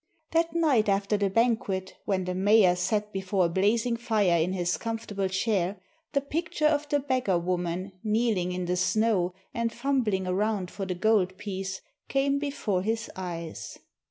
That night after the banquet when the mayor sat before a blazing fire in his comfortable chair, the picture of the beggar woman, kneeling in the snow, and fumbling around for the gold piece, came before his eyes.